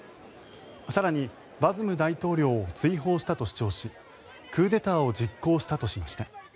更に、バズム大統領を追放したと主張しクーデターを実行したとしました。